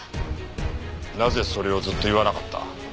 なぜそれをずっと言わなかった？